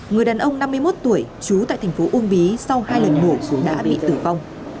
người đàn ông năm mươi một tuổi trú tại thành phố uông bí sau hai lần mổ dù đã bị tử vong